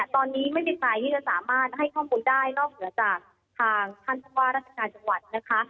ตอนนี้ไม่มีใครที่จะสามารถให้ความผลได้นอกเหลือจากทางท่านทุกว่ารัฐกาลจังหวัด